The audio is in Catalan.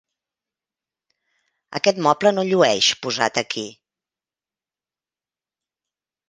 Aquest moble no llueix, posat aquí.